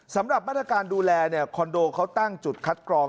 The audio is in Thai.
สำหรับมาตรการดูแลคอนโดเขาตั้งจุดคัดกรอง